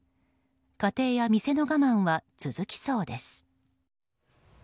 家庭や店の我慢は続きそうです。